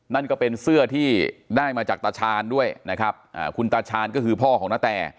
นั่นก็เป็นเสื้อที่ได้มาจากตาชาญด้วยนะครับคุณตาชาญก็คือพ่อของนาแต